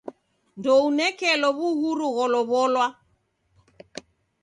Ndounekelo w'uhuru gholow'olwa.